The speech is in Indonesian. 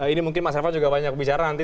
ini mungkin mas revan juga banyak bicara nanti